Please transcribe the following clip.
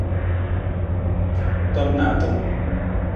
Tom naatung.